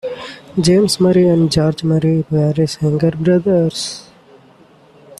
James Murray and George Murray were his younger brothers.